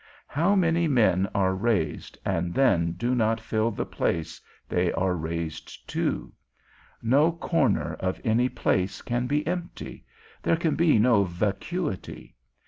How many men are raised, and then do not fill the place they are raised to? No corner of any place can be empty; there can be no vacuity.